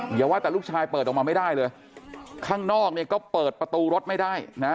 อย่าว่าแต่ลูกชายเปิดออกมาไม่ได้เลยข้างนอกเนี่ยก็เปิดประตูรถไม่ได้นะ